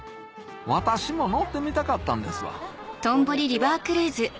私も乗ってみたかったんですわこんにちは。